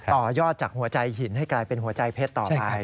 ต่อยอดจากหัวใจหินให้กลายเป็นหัวใจเพชรต่อไป